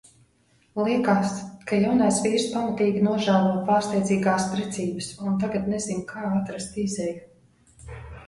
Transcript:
Liekās, ka jaunais vīrs pamatīgi nožēlo pārsteidzīgās precības, un tagad nezin kā atrast izeju.